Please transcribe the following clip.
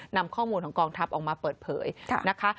นำข้อมูลของกองทัพออกมาเปิดเผยนะคะ